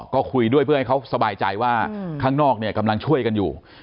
ก็คุยด้วยเพื่อให้เขาสบายใจว่าข้างนอกเนี่ยกำลังช่วยกันอยู่